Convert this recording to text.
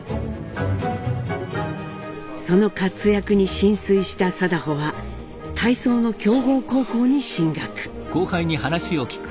その活躍に心酔した禎穗は体操の強豪高校に進学。